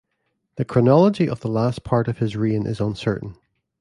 The chronology of the last part of his reign is uncertain.